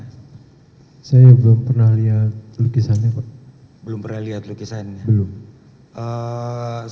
hai saya belum pernah lihat lukisannya belum pernah lihat lukisannya wrong